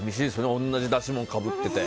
同じ出し物、かぶってて。